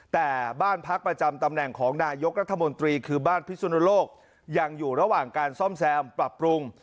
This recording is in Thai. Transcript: แต่บ้านพักประจำตำแหน่งของนายกรัฐมนตรีคือบ้านพิสุนโลกยังอยู่ระหว่างการซ่อมแซมปรับปรุง